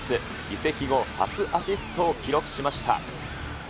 移籍後初アシストを記録しました。